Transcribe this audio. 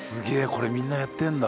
これみんなやってるんだ。